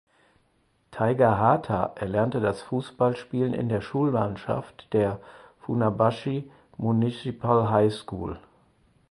Taiga Hata erlernte das Fußballspielen in der Schulmannschaft der "Funabashi Municipal High School".